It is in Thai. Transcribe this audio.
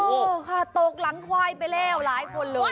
โอ้โหค่ะตกหลังควายไปแล้วหลายคนเลย